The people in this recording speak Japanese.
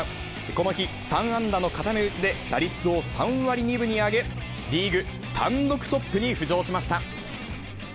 この日、３安打の固め打ちで打率を３割２分に上げ、リーグ単独トップに浮上しました。